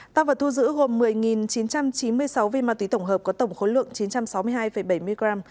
tăng vật thu giữ gồm một mươi chín trăm chín mươi sáu viên ma túy tổng hợp có tổng khối lượng chín trăm sáu mươi hai bảy mươi gram